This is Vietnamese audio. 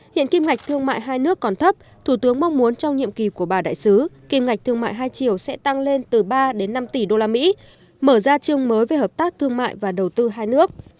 hiện kim ngạch thương mại hai nước còn thấp thủ tướng mong muốn trong nhiệm kỳ của bà đại sứ kim ngạch thương mại hai triệu sẽ tăng lên từ ba đến năm tỷ usd mở ra chương mới về hợp tác thương mại và đầu tư hai nước